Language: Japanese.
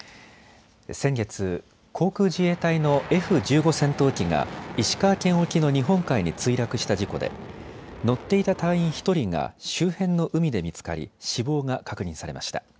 先月、航空自衛隊のＦ１５戦闘機が石川県沖の日本海に墜落した事故で乗っていた隊員１人が周辺の海で見つかり死亡が確認されました。